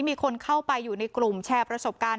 มีคนเข้าไปอยู่ในกลุ่มแชร์ประสบการณ์